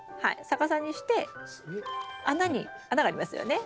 逆さにして穴に穴がありますよね？